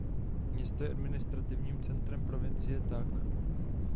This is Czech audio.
Město je administrativním centrem Provincie Tak.